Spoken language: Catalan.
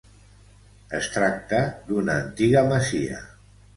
Es tracta d'una antiga masia.